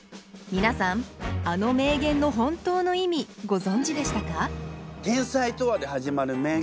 皆さんあの名言の本当の意味ご存じでしたか？